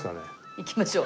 いきましょう。